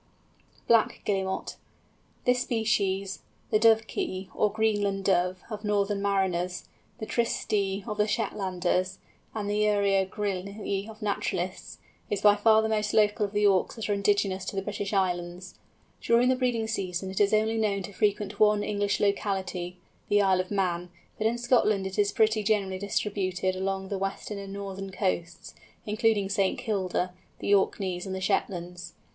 BLACK GUILLEMOT. This species, the Dovekey, or Greenland Dove, of northern mariners, the Tysty of the Shetlanders, and the Uria grylle of naturalists, is by far the most local of the Auks that are indigenous to the British Islands. During the breeding season it is only known to frequent one English locality, the Isle of Man; but in Scotland it is pretty generally distributed along the western and northern coasts, including St. Kilda, the Orkneys, and the Shetlands.